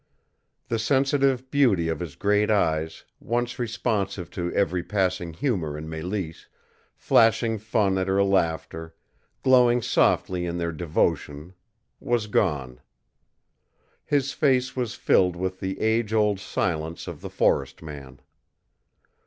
The sensitive beauty of his great eyes, once responsive to every passing humor in Mélisse, flashing fun at her laughter, glowing softly in their devotion, was gone. His face was filled with the age old silence of the forest man.